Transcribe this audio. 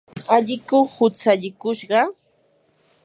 alliku hutsallikushqa.